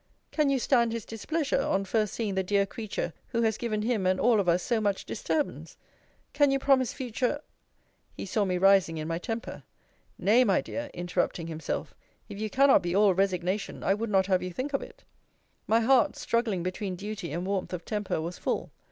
Can you stand his displeasure, on first seeing the dear creature who has given him and all of us so much disturbance? Can you promise future He saw me rising in my temper Nay, my dear, interrupting himself, if you cannot be all resignation, I would not have you think of it. My heart, struggling between duty and warmth of temper, was full.